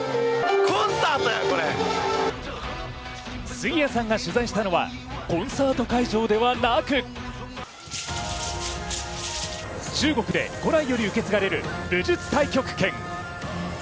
杉谷さんが取材したのは、コンサート会場ではなく、中国で古来より受け継がれる武術太極拳。